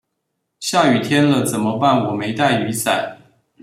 下雨天了怎麼辦我沒帶雨傘